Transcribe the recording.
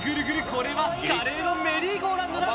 これはカレーのメリーゴーラウンドだ。